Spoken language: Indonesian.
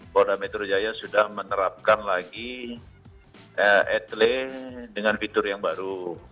polda metro jaya sudah menerapkan lagi etle dengan fitur yang baru